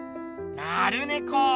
なるネコー。